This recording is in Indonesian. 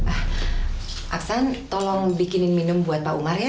ah aksan tolong bikinin minum buat pak umar ya